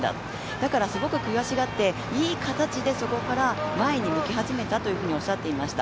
だから、すごく悔しがって、いい形でそこから前に向き始めたとおっしゃっていました。